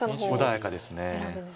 穏やかです。